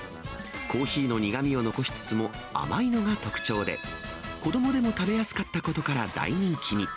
コーヒーの苦みを残しつつも甘いのが特徴で、子どもでも食べやすかったことから大人気に。